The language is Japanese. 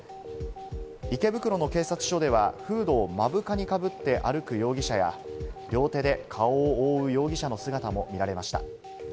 池袋の警察署ではフードを目深にかぶって歩く容疑者や、両手で顔を覆う容疑者の姿も見られました。